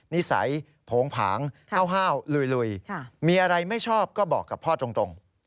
นิสัยโผงผางห้าวลุยมีอะไรไม่ชอบก็บอกกับพ่อตรง